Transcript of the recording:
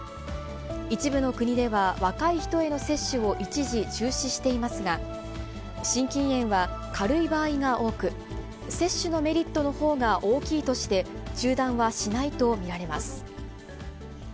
一部の国では、若い人への接種を一時中止していますが、心筋炎は軽い場合が多く、接種のメリットのほうが大きいとして、中断はしないと見られます。